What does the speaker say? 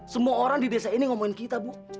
semua orang di desa ini ngomongin kita bu